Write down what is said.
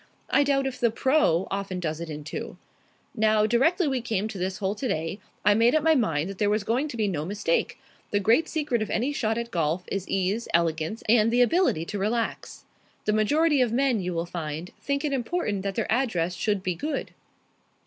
I doubt if the 'pro.' often does it in two. Now, directly we came to this hole today, I made up my mind that there was going to be no mistake. The great secret of any shot at golf is ease, elegance, and the ability to relax. The majority of men, you will find, think it important that their address should be good."